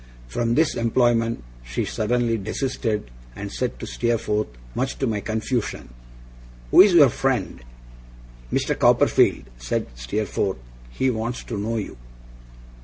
From this employment she suddenly desisted, and said to Steerforth, much to my confusion: 'Who's your friend?' 'Mr. Copperfield,' said Steerforth; 'he wants to know you.